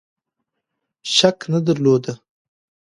شک نه درلود.